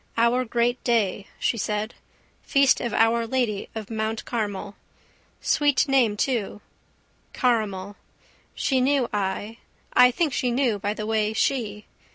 Our great day, she said. Feast of Our Lady of Mount Carmel. Sweet name too: caramel. She knew I, I think she knew by the way she.